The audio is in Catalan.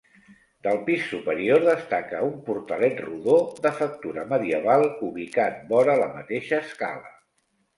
Del pis superior destaca un portalet rodó, de factura medieval, ubicat vora la mateixa escala.